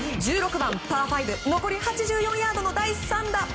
１６番、パー５残り８４ヤードの第３打。